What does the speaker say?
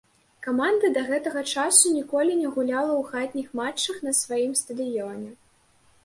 Каманда да гэтага часу ніколі не гуляла у хатніх матчах на сваім стадыёне.